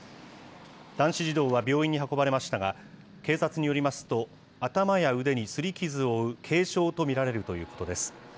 男子児童は病院に運ばれましたが、警察によりますと、頭や腕にすり傷を負う軽傷と見られるということです。